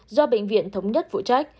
do bệnh viện thống nhất phụ trách